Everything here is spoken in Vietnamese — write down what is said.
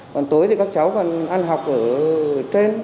còn tối thì các cháu còn ăn học ở trên